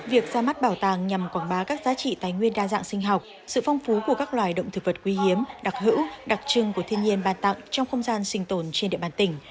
việc ra mắt bảo tàng nhằm quảng bá các giá trị tài nguyên đa dạng sinh học sự phong phú của các loài động thực vật quý hiếm đặc hữu đặc trưng của thiên nhiên bàn tặng trong không gian sinh tồn trên địa bàn tỉnh